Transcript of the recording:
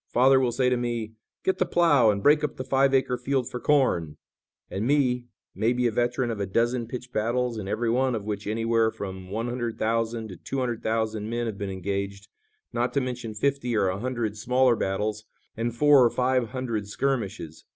Father will say to me: 'Get the plough and break up the five acre field for corn,' and me, maybe a veteran of a dozen pitched battles in every one of which anywhere from one hundred thousand to two hundred thousand men have been engaged, not to mention fifty or a hundred smaller battles and four or five hundred skirmishes.